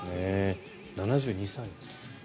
７２歳です。